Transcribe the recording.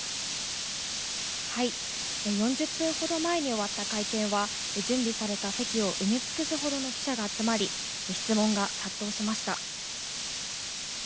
４０分ほど前に終わった会見は、準備された席を埋め尽くすほどの記者が集まり、質問が殺到しました。